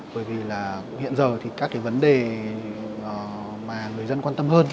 bởi vì hiện giờ các vấn đề mà người dân quan tâm hơn